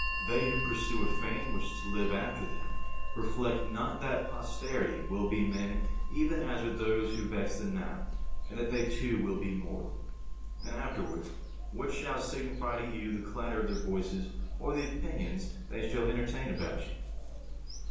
They who pursue a fame which is to live after them reflect not that posterity will be men even as are those who vex them now, and that they too will be mortal. And afterwards, what shall signify to you the clatter of their voices, or the opinions they shall entertain about you?